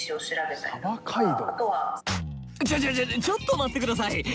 ちょっと待って下さい。